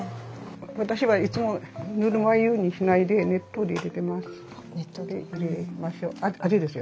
私はいつもぬるま湯にしないで熱湯で入れてます。